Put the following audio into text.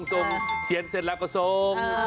คาถาที่สำหรับคุณ